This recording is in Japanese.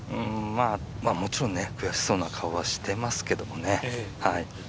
もちろん悔しそうな顔はしてますけどもね。